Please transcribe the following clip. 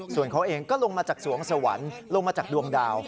ส่วนเขาเองก็ลงมาจากสวงสวรรค์ลงมาจากดวงดาว